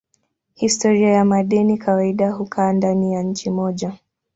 Historia ya madeni kawaida hukaa ndani ya nchi moja.